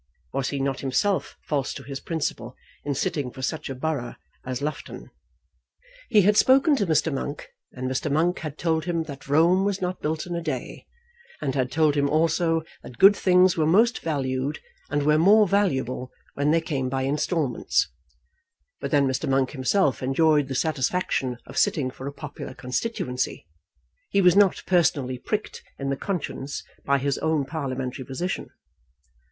Was he not himself false to his principle in sitting for such a borough as Loughton? He had spoken to Mr. Monk, and Mr. Monk had told him that Rome was not built in a day, and had told him also that good things were most valued and were more valuable when they came by instalments. But then Mr. Monk himself enjoyed the satisfaction of sitting for a popular Constituency. He was not personally pricked in the conscience by his own parliamentary position.